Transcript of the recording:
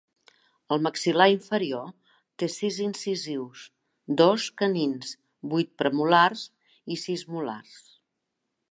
El maxil·lar inferior té sis incisius, dos canins, vuit premolars i sis molars.